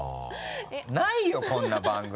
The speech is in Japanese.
ないよこんな番組。